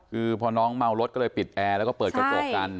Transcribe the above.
คือพอน้องเมารถก็เลยปิดแอร์แล้วก็เปิดกระจกกัน